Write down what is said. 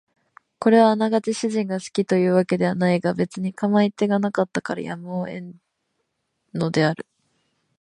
これはあながち主人が好きという訳ではないが別に構い手がなかったからやむを得んのである